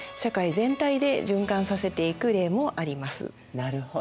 なるほど。